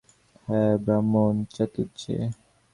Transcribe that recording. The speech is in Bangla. হাঁ, ব্রাহ্মণ, চাটুজ্জে।